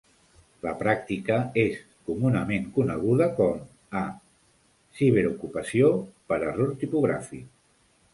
La pràctica és comunament coneguda com a "ciberocupació per error tipogràfic".